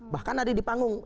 bahkan ada di panggung